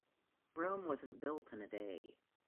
Rome wasn't built in a day.